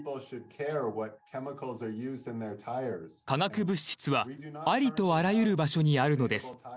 化学物質はありとあらゆる場所にあるのです。